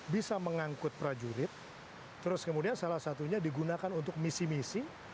bisa mengangkut prajurit terus kemudian salah satunya digunakan untuk misi misi